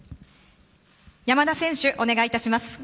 山田選手、お願いいたします。